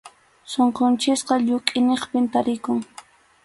Sunqunchikqa lluqʼiniqpim tarikun.